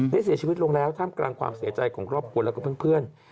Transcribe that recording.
ได้เสียชีวิตลงแล้วท่ามกลางความเสียใจของครอบครัวแล้วก็เพื่อน